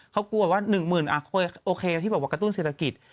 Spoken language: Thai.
เขากลัวว่า๑หมื่นโอเคที่บอกว่ากระตุ้นเศรษฐกิจ